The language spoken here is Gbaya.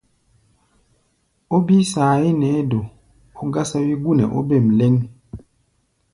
Ó bíí saayé nɛɛ́ do, ó gásáwí gú nɛ ó bêm lɛ́ŋ.